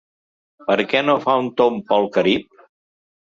Per què no fa un tomb pel Carib?